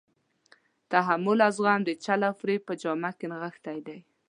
تحمل او زغم د چل او فریب په جامه کې نغښتی دی.